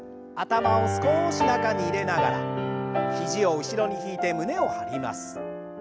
頭を少し中に入れながら肘を後ろに引いて胸を張ります。